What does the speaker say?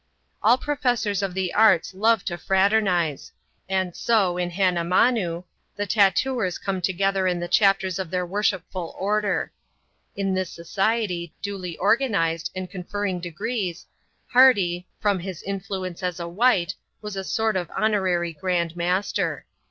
All professors of the arts love to fraternize ; and so, in Han namanoo, the tattooers came together in the chapters of their worshipful order. In this society, duly organized, and confer TiDg degrees. Hardy , from his influence ^ a ^\i\\A) ^o^ a sort of □n.] THE TATTOOERS OF LA DOMINICA. 31; ry Gnnd Master.